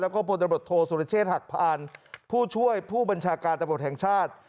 แล้วก็พลตำรวจโทษสุรเชษฐหักพานผู้ช่วยผู้บัญชาการตำรวจแห่งชาติ